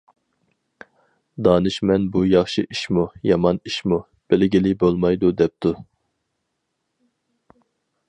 دانىشمەن بۇ ياخشى ئىشمۇ؟ يامان ئىشمۇ؟ بىلگىلى بولمايدۇ دەپتۇ.